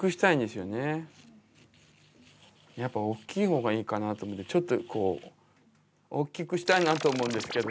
やっぱ大きい方がいいかなと思うんでちょっとこう大きくしたいなと思うんですけど。